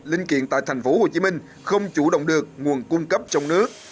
linh kiện tại thành phố hồ chí minh không chủ động được nguồn cung cấp trong nước